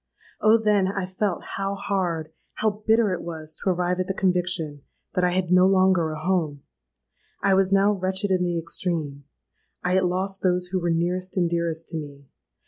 Oh! then I felt how hard, how bitter it was to arrive at the conviction that I had no longer a home! I was now wretched in the extreme: I had lost those who were nearest and dearest to me!